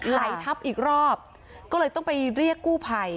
ไหลทับอีกรอบก็เลยต้องไปเรียกกู้ภัย